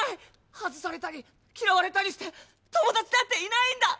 外されたり嫌われたりして友達だっていないんだ！